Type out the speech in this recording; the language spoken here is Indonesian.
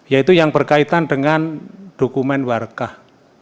yaitu yang berkaitan dengan dokumen warkah